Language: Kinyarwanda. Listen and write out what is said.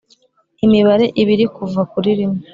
Imibare ibiri kuva kuri rimwe